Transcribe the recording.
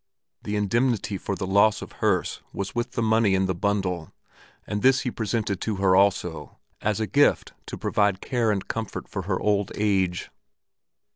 The indemnity for the loss of Herse was with the money in the bundle, and this he presented to her also, as a gift to provide care and comfort for her old age.